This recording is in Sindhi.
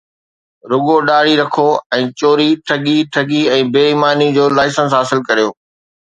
رڳو ڏاڙهي رکو ۽ چوري، ٺڳي، ٺڳي ۽ بي ايماني جو لائسنس حاصل ڪريو